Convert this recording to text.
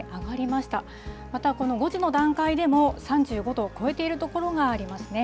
また、この５時の段階でも、３５度を超えている所がありますね。